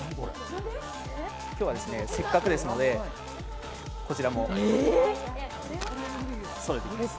今日はせっかくですのでこちらもそろえていきます。